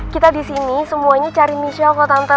kita disini semuanya cari michelle kok tante